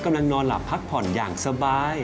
กำลังนอนหลับพักผ่อนอย่างสบาย